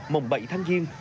mồng bậy thanh niên